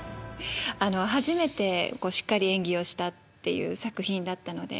初めてしっかり演技をしたっていう作品だったので。